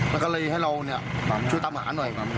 แล้วก็เลยให้เราช่วยตามหาหน่อย